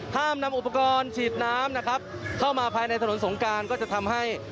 ห้ามนำอุปกรณ์ฉีดน้ำนะครับเข้ามาภายในถนนสงการก็จะทำให้